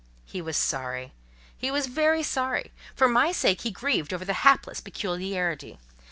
He was sorry—he was very sorry: for my sake he grieved over the hapless peculiarity.